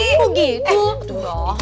eh kok gitu